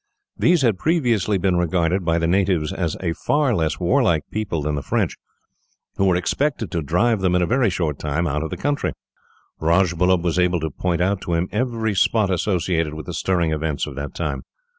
These had previously been regarded, by the natives, as a far less warlike people than the French, who were expected to drive them, in a very short time, out of the country. Rajbullub was able to point out to him every spot associated with the stirring events of that time.